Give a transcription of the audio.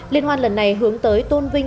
liên hoan lần này hướng tới tôn vinh